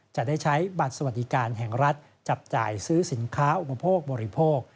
จะได้ใช้บัตรสวัสดิการแห่งรัฐจับจ่ายซื้อสินค้าอุปโภคบริโภค